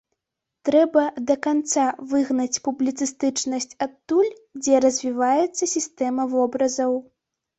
Трэба да канца выгнаць публіцыстычнасць адтуль, дзе развіваецца сістэма вобразаў.